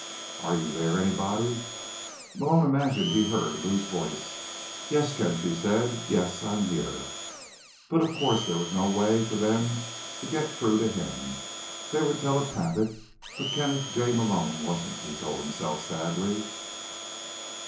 _ Are you there, anybody? Malone imagined he heard Lou's voice. "Yes, Ken," she said. "Yes, I'm here." But, of course, there was no way for them to get through to him. They were telepathic, but Kenneth J. Malone wasn't he told himself sadly.